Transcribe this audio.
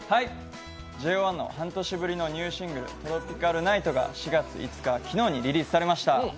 ＪＯ１の半年ぶりのニューシングル、「ＴＲＯＰＩＣＡＬＮＩＧＨＴ」が４月５日、昨日リリースされました。